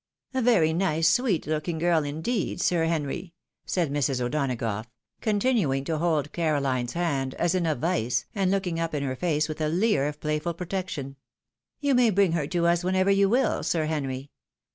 " A very nice, sweet looking girl, indeed. Sir Henry," said Mrs. O'Donagough, continuing to hold Carohne's hand, as in a vice, and looking up in her face with a leer of playful protec tion ;" you may bring her to us whenever you will. Sir Henry.